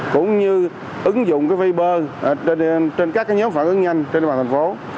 cũng như ứng dụng cái viber trên các cái nhóm phản ứng nhanh trên đoàn thành phố